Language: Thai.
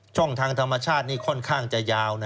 ช่องทางธรรมชาตินี่ค่อนข้างจะยาว